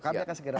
kami akan segera